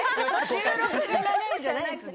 収録が長いではないですね。